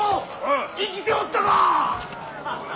生きておったか！